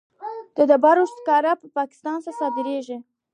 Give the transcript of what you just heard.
د ډبرو سکاره پاکستان ته صادریږي